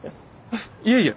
いえいえ。